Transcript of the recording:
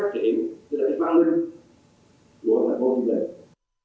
cái phát triển tức là cái văn hương